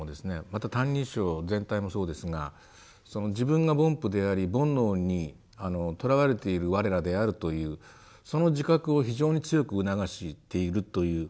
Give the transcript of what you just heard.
また「歎異抄」全体もそうですが自分が「凡夫」であり煩悩にとらわれているわれらであるというその自覚を非常に強く促しているという。